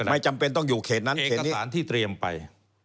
ไม่จำเป็นต้องอยู่เขตนั้นเขตสารที่เตรียมไป